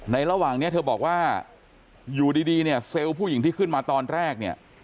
ระหว่างนี้เธอบอกว่าอยู่ดีเนี่ยเซลล์ผู้หญิงที่ขึ้นมาตอนแรกเนี่ย